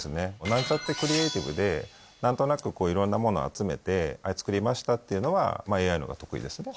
なんちゃってクリエイティブで何となくいろんなもの集めて作りましたっていうのはＡＩのほうが得意ですね。